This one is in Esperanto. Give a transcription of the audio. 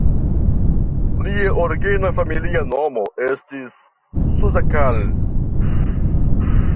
Lia origina familia nomo estis "Szakal".